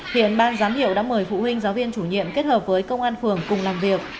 hiện ban giám hiệu đã mời phụ huynh giáo viên chủ nhiệm kết hợp với công an phường cùng làm việc